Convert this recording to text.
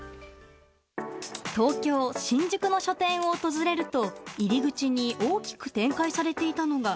東京・新宿の書店を訪れると入り口に大きく展開されていたのが「＃